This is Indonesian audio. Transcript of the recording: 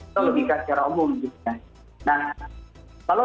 itu logika secara umum gitu ya nah kalau